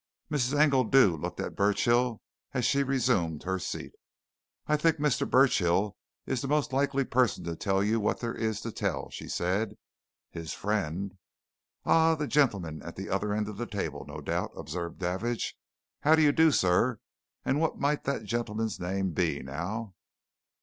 Mrs. Engledew looked at Burchill as she resumed her seat. "I think Mr. Burchill is the most likely person to tell you what there is to tell," she said. "His friend " "Ah! the gentleman at the other end of the table, no doubt," observed Davidge. "How do you do, sir? And what might that gentleman's name be, now?"